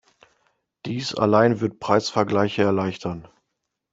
Dies allein wird Preisvergleiche erleichtern.